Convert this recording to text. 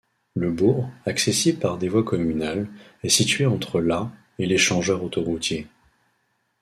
Le bourg, accessible par des voies communales, est situé entre la et l'échangeur autoroutier.